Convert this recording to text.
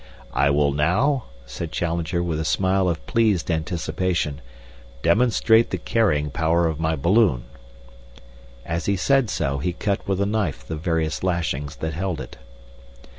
"I will now," said Challenger, with a smile of pleased anticipation, "demonstrate the carrying power of my balloon." As he said so he cut with a knife the various lashings that held it.